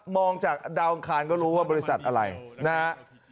มองจากดาวน์คลานก็รู้ว่าบริษัทอะไรนะฮะ